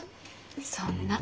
そんな。